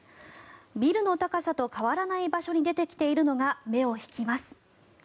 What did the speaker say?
ビルの高さと変わらない場所に出てきているのが目を引きます。